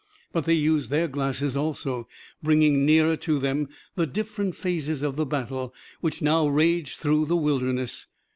But they used their glasses also, bringing nearer to them the different phases of the battle, which now raged through the Wilderness.